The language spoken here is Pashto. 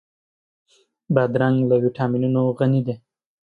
بادرنګ له ويټامینونو غني دی.